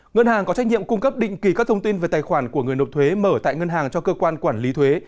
ngân hàng có trách nhiệm cung cấp định kỳ các thông tin về tài khoản của người nộp thuế mở tại ngân hàng cho cơ quan quản lý thuế